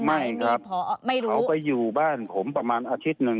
ให้นำไม่รู้ไปอยู่บ้านผมประมาณอาทิตย์นึง